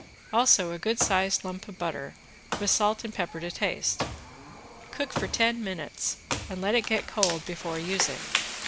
Also a good size lump of butter, with salt and pepper to taste. Cook for ten minutes and let it get cold before using.